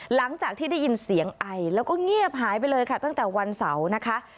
หลังจากที่ได้ยินเสียงไอแล้วก็เงียบหายไปเลยค่ะตั้งแต่วันเสาร์นะคะ